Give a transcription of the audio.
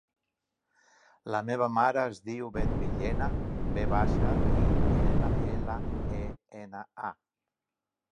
La meva mare es diu Bet Villena: ve baixa, i, ela, ela, e, ena, a.